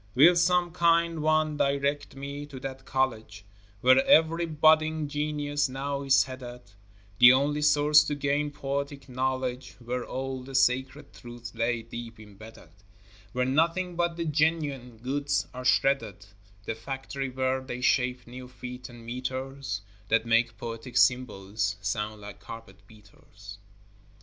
Will some kind one direct me to that college Where every budding genius now is headed, The only source to gain poetic knowledge, Where all the sacred truths lay deep imbedded, Where nothing but the genuine goods are shredded, The factory where they shape new feet and meters That make poetic symbols sound like carpet beaters.